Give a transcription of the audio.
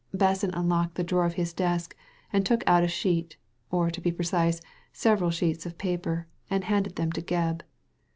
" Basson unlocked the drawer of his desk, and took out a sheet, or, to be precise, several sheets of paper, and handed them to Gebb.